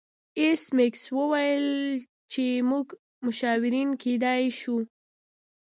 ایس میکس وویل چې موږ مشاورین کیدای شو